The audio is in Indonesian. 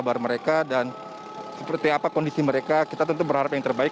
dan seperti apa kondisi mereka kita tentu berharap yang terbaik